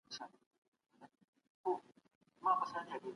آیا د ماشيني ژوند پایلې د ټولنو په اړیکو کي بدلون رامنځته کوي؟